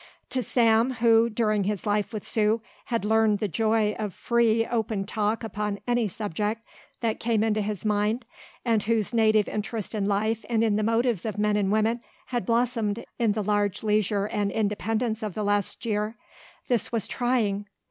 To Sam, who, during his life with Sue, had learned the joy of free, open talk upon any subject that came into his mind and whose native interest in life and in the motives of men and women had blossomed in the large leisure and independence of the last year, this was trying.